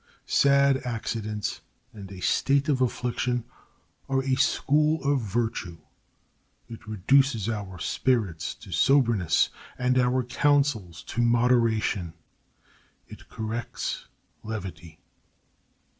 Sad accidents and a state of affliction are a school of virtue. It reduces our spirits to soberness and our counsels to moderation; it corrects levity.